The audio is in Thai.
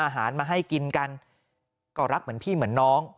อาหารมาให้กินกันก็รักเหมือนพี่เหมือนน้อง